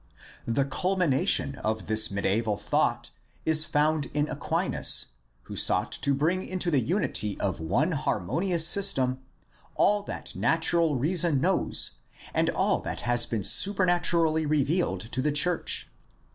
The culmination of this mediaeval thought is found in Aquinas, who sought to bring into the imity of one har monious system all that natural reason knows and all that has been supernaturally revealed to the church.